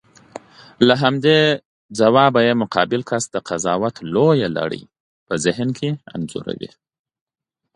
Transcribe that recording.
له همدې ځوابه یې مقابل کس د قضاوت لویه لړۍ په ذهن کې انځوروي.